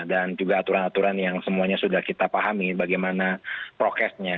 dan juga aturan aturan yang semuanya sudah kita pahami bagaimana prokesnya